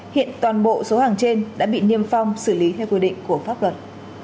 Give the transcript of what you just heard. hiện toàn bộ số hàng trên đã bị niêm phong xử lý theo quy định của pháp luật